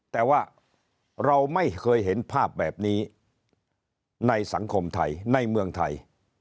แต่ว่าเราไม่เคยเห็นภาพแบบนี้ในสังคมไทยในเมืองไทย